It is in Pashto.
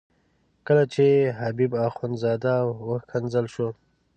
کله چې حبیب اخندزاده وښکنځل شو.